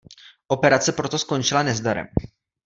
Operace proto skončila nezdarem.